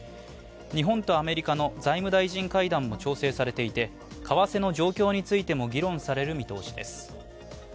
日本とアメリカの財務大臣会談も調整されていて為替の状況についても議論される見通しです。